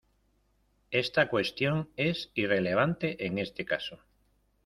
Esta cuestión es irrelevante en este caso.